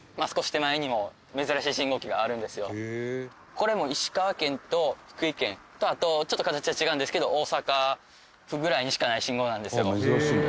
これも石川県と福井県とあとちょっと形は違うんですけど大阪府ぐらいにしかない信号なんですよ。